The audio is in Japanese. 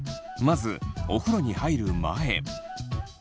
まずお風呂に入る前。